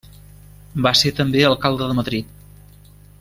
Va ser també Alcalde de Madrid.